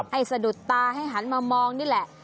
สะดุดตาให้หันมามองนี่แหละ